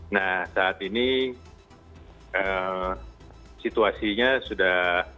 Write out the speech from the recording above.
nah saat ini situasinya sudah